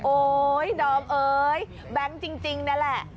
โอ๊ยดอมเอ้ยแบงค์จริงนั่นแหละ